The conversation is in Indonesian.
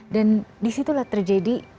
dan disitulah terjadi